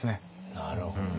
なるほど。